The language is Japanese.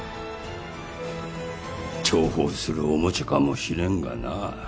重宝するおもちゃかもしれんがな。